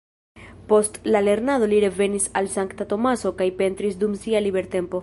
Post la lernado li revenis al Sankta Tomaso kaj pentris dum sia libertempo.